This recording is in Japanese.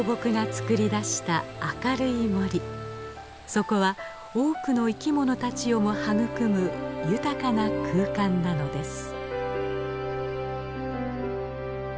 そこは多くの生き物たちをも育む豊かな空間なのです。